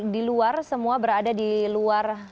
di luar semua berada di luar